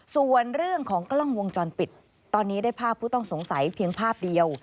ส่วนเรื่องของกล้องวงจรปิดตอนนี้ได้ภาพผู้ต้องสงสัยเพียงภาพเดียว